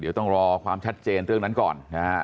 เดี๋ยวต้องรอความชัดเจนเรื่องนั้นก่อนนะฮะ